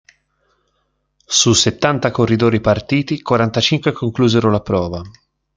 Su settanta corridori partiti, quarantacinque conclusero la prova.